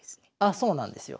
あそうなんですよ。